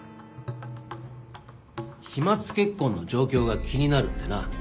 飛沫血痕の状況が気になるってな。